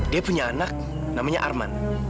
dia punya anak namanya arman